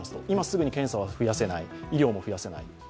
今すぐに検査は増やせない、医療も増やせない。